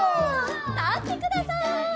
たってください！